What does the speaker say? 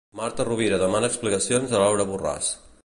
Marta Rovira demana explicacions a Laura Borràs.